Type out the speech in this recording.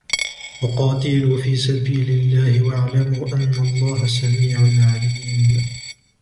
وقاتلوا في سبيل الله واعلموا أن الله سميع عليم